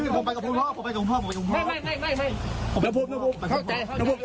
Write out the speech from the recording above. ขอรับคุณลูก